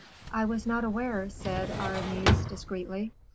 "I was not aware," said Aramis, discreetly.